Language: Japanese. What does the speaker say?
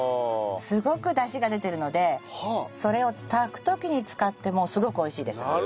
すごくダシが出てるのでそれを炊く時に使ってもすごく美味しいです。